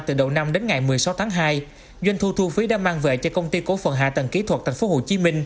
từ đầu năm đến ngày một mươi sáu tháng hai doanh thu thu phí đã mang về cho công ty cổ phận hạ tầng kỹ thuật tp hcm